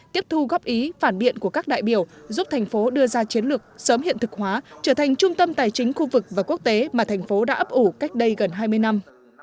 tiếp thu góp ý phản biện của các đại biểu giúp thành phố đưa ra chiến lược sớm hiện thực hóa trở thành trung tâm tài chính khu vực và quốc tế mà thành phố đã ấp ủ cách đây gần hai mươi năm